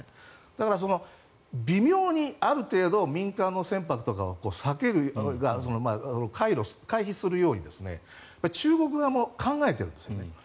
だから、微妙に、ある程度民間の船舶とかが回避するように中国側も考えているんですね。